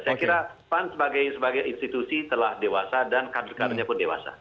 saya kira pan sebagai institusi telah dewasa dan kader kadernya pun dewasa